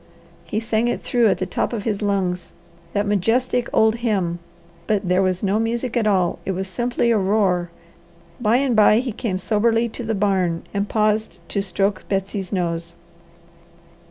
He sang it through at the top of his lungs, that majestic old hymn, but there was no music at all, it was simply a roar. By and by he came soberly to the barn and paused to stroke Betsy's nose.